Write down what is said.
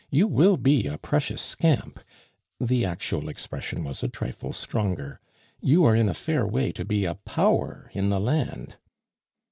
You will be a precious scamp" (the actual expression was a trifle stronger); "you are in a fair way to be a power in the land."